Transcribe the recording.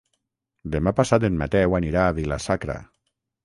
Demà passat en Mateu anirà a Vila-sacra.